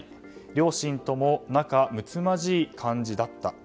両親とも仲むつまじい感じだった。